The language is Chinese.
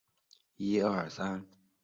英国组合城市